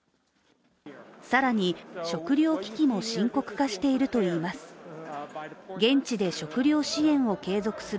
更に、食料危機も深刻化しているといいます。